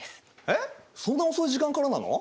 えっそんな遅い時間からなの？